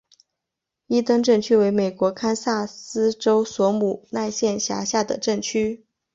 伊登镇区为美国堪萨斯州索姆奈县辖下的镇区。